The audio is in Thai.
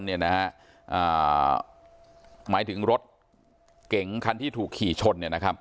หมายถึงรถเก๋งคันที่ถูกขี่ชน